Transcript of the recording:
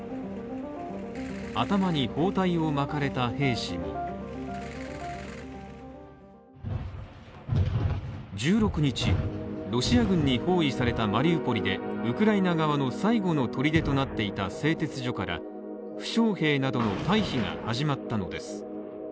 頭に包帯を巻かれた兵士も１６日、ロシア軍に包囲されたマリウポリでウクライナ側の最後の砦となっていた製鉄所から、負傷兵などの退避が始まったのです。